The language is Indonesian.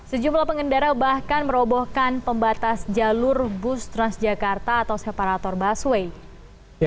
sejumlah pengendara bahkan merobohkan pembatas jalur bus transjakarta atau separator busway